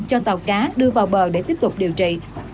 cho tàu cá đưa vào bờ để tiếp tục điều trị